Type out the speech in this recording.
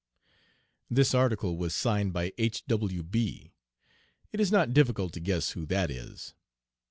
This article was signed by "H. W. B." It is not difficult to guess who that is.